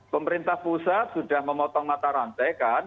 pemerintah pusat sudah memotong mata rantai kan